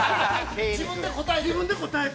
自分で答えて。